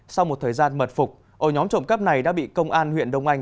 sau một thời gian mật phục ổ nhóm trộm cắp này đã bị công an huyện đông anh